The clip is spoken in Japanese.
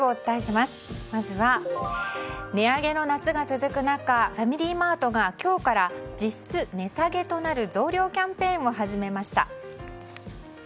まずは、値上げの夏が続く中ファミリーマートが今日から実質値下げとなる増量キャンペーンを始めました。